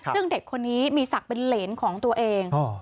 ซึ่งเด็กคนนี้มีศักดิ์เป็นเหรนของตัวเอง